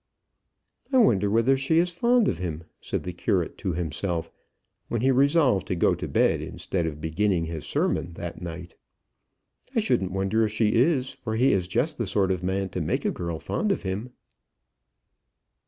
"I wonder whether she is fond of him," said the curate to himself, when he resolved to go to bed instead of beginning his sermon that night. "I shouldn't wonder if she is, for he is just the sort of man to make a girl fond of him."